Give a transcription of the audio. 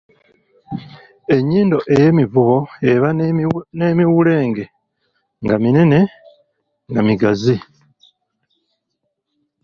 Ennyindo ey’emivubo eba n’emiwulenge nga minene nga migazi.